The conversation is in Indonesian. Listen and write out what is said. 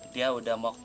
dia udah mau kelaparan